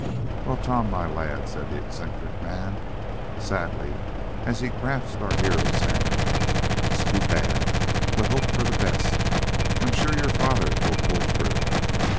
"Well, Tom, my lad," said the eccentric man, sadly, as he grasped our hero's hand, "it's too bad. But hope for the best. I'm sure your father will pull through.